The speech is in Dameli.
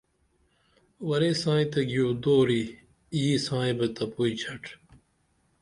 ورے سائیں تہ گیعو دوری یی سائیں بہ تپوئی چھٹ